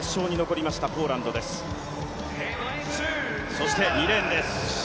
そして２レーンです。